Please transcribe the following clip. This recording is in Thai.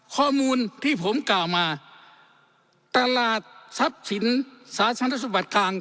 ข้อมูลที่ผมกล่าวมาตลาดทรัพย์สินสาธารณสุขบัติกลาง